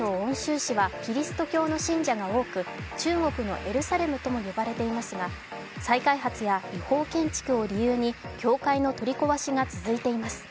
市はキリスト教の信者が多く、中国のエルサレムとも呼ばれていますが、再開発や違法建築を理由に教会の取り壊しが続いています。